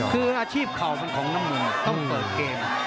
คืออาชีพเข่ามันของน้ำเงินต้องเปิดเกม